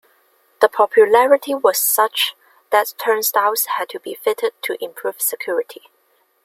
The popularity was such that turnstiles had to be fitted to improve security.